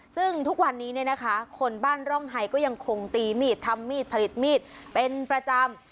ซึ่งทุกวันนี้เนี่ยนะคะคนบ้านร่องไฮก็ยังคงตีมีดทำมีดผลิตมีดเป็นประจำ